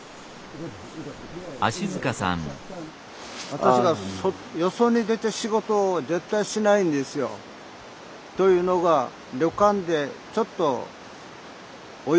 私らよそに出て仕事を絶対しないんですよ。というのが旅館でちょっとお湯が漏れだした。